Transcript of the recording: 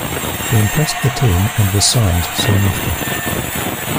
He impressed the team and was signed soon after.